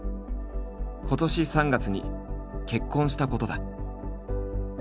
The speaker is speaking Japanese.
今年３月に結婚したことだ。